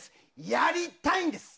やりたいんです。